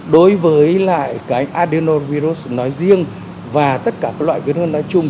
đối với lại cái adenovirus nói riêng và tất cả các loại viêm gan nói chung